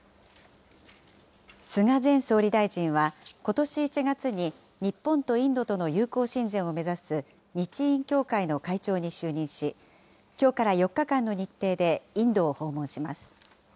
菅前総理大臣は、ことし１月に日本とインドとの友好親善を目指す日印協会の会長に就任し、きょうから４日間の日程で、インドを訪問します。